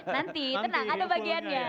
nanti tenang ada bagiannya